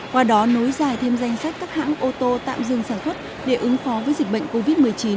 qua đó nối dài thêm danh sách các hãng ô tô tạm dừng sản xuất để ứng phó với dịch bệnh covid một mươi chín